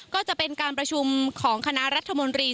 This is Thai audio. ก็จะเป็นการประชุมของคณะรัฐมนตรี